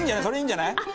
それいいんじゃない？